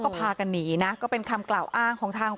คำให้การในกอล์ฟนี่คือคำให้การในกอล์ฟนี่คือ